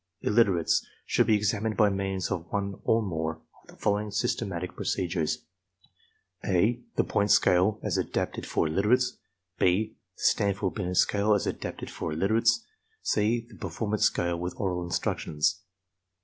Illiterates should be examined by means of one or more of the following systematic procedures: (a) the point scale as adapted for illiterates: (6) the Stanford Binet scale as adapted for iUiterates; (c) the performance scale with oral instructions.